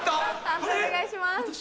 判定お願いします。